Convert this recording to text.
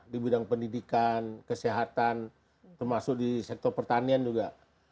di bidang pendidikan kesehatan termasuk di sektor pertanian juga